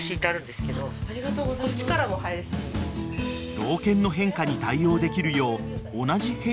［老犬の変化に対応できるよう］